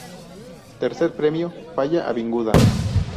Tercer Premio: Falla Avinguda